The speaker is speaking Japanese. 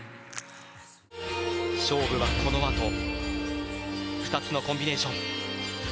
勝負はこのあと２つのコンビネーション。